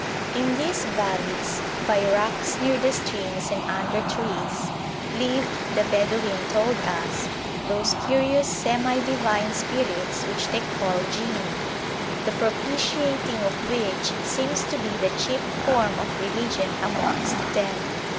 In these valleys, by rocks near the streams and under trees, live, the Bedouin told us, those curious semi divine spirits which they call jinni, the propitiating of which seems to be the chief form of religion amongst them.